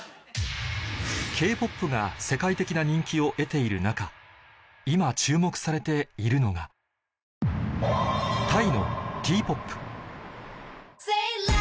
Ｋ−ＰＯＰ が世界的な人気を得ている中今注目されているのがタイの